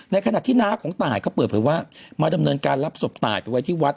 ขณะที่น้าของตายก็เปิดเผยว่ามาดำเนินการรับศพตายไปไว้ที่วัด